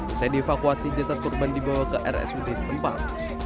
usai dievakuasi jasad korban dibawa ke rsud setempat